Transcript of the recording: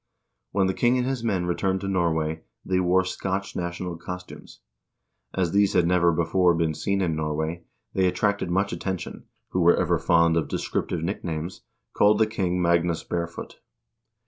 When the king and his men returned to Norway, they wore Scotch national costumes. As these had never before been seen in Norway, they attracted much attention, and the people, who were ever fond of descriptive nicknames, called the king Magnus Barefoot.